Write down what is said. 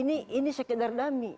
ini sekedar dummy